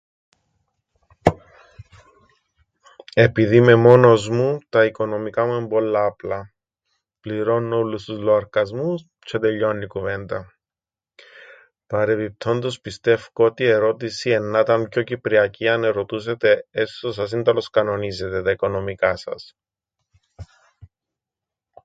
"Επειδή είμαι μόνος μου, τα οικονομικά μου εν' πολλά απλά. Πληρώννω ούλλους τους λοαρκασμούς, τ͘ζ̆αι τελειώννει η κουβέντα. Παρεπιπτόντως, πιστε΄ύκω ότι η ερώτηση εννά 'ταν πιο κυπριακή αν ερωτούσετε: ""έσσω σας ίνταλος κανονίζετε τα οικονομικά σας;""."